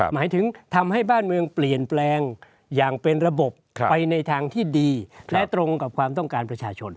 หมายถึงทำให้บ้านเมืองเปลี่ยนแปลงอย่างเป็นระบบไปในทางที่ดีและตรงกับความต้องการประชาชน